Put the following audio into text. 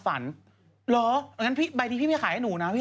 อ๋อโอ้ยสวัสดีค่ะพี่